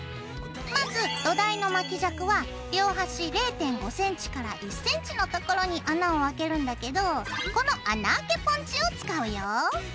まず土台の巻き尺は両端０．５ｃｍから１ｃｍの所に穴を開けるんだけどこの穴あけポンチを使うよ。